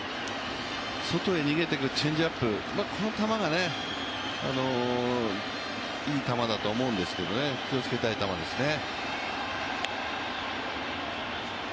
外へ逃げていくチェンジアップ、この球がいい球だとは思うんですけど、気をつけたい球ですね。